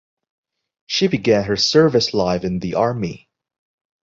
She began her service life in the army.